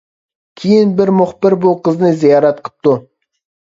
كېيىن بىر مۇخبىر بۇ قىزنى زىيارەت قىپتۇ.